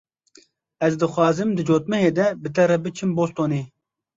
Ez dixwazim di cotmehê de bi te re biçim Bostonê.